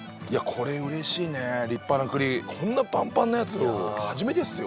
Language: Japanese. これ嬉しいね立派な栗こんなパンパンなやつを初めてっすよ